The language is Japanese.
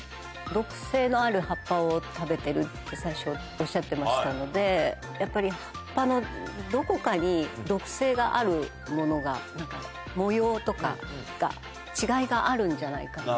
毒性のある葉っぱを食べてるって最初、おっしゃってましたので、やっぱり、葉っぱのどこかに毒性があるものが、なんか模様とかが違いがあるんじゃないかと。